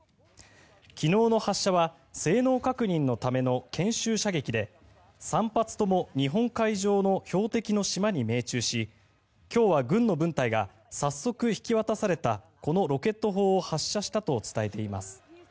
昨日の発射は性能確認のための検収射撃で３発とも日本海上の標的の島に命中し今日は軍の分隊が早速引き渡されたこのロケット砲を発射したと伝えています。